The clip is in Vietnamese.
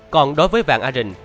còn đối với vàng a rình